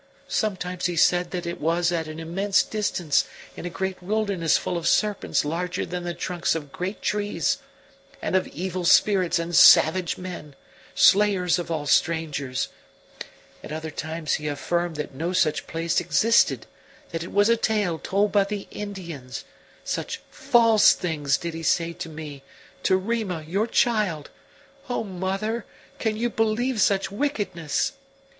Sometimes he said that it was at an immense distance, in a great wilderness full of serpents larger than the trunks of great trees, and of evil spirits and savage men, slayers of all strangers. At other times he affirmed that no such place existed; that it was a tale told by the Indians; such false things did he say to me to Rima, your child. O mother, can you believe such wickedness?